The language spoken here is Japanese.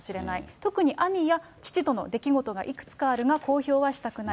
特に兄や父との出来事がいくつかあるが、公表はしたくない。